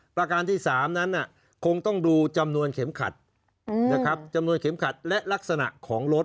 ประการที่๓นั้นคงต้องดูจำนวนเข็มขัดนะครับจำนวนเข็มขัดและลักษณะของรถ